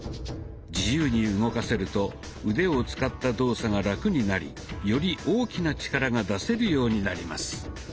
自由に動かせると腕を使った動作がラクになりより大きな力が出せるようになります。